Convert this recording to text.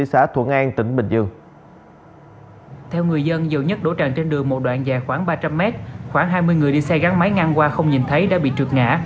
khoảng hai mươi người đi xe gắn máy ngang qua không nhìn thấy đã bị trượt ngã